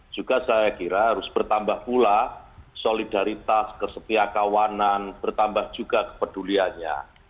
juga saya kira harus bertambah pula solidaritas kesetiakawanan bertambah juga kepeduliannya